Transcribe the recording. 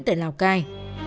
tại lào cai